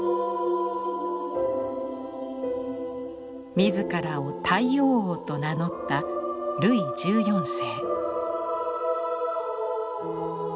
自らを「太陽王」と名乗ったルイ１４世。